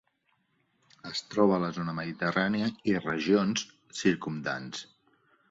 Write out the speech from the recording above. Es troba a la zona mediterrània i regions circumdants.